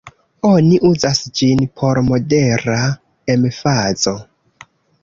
Oni uzas ĝin por modera emfazo.